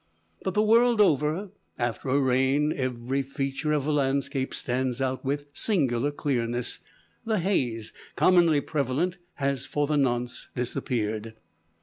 But the world over, after a rain every feature of a landscape stands out with singular clearness; the haze commonly prevalent has for the nonce disappeared.